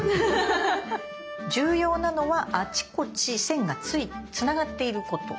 重要なのはあちこち線がつながっていること。